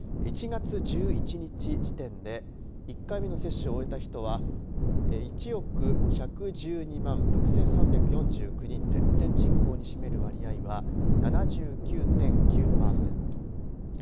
１月１１日時点で１回目の接種を終えた人は１億１１２万６３４９人で全人口に占める割合は７９．９パーセント。